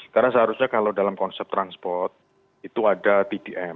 karena seharusnya kalau dalam konsep transport itu ada pdm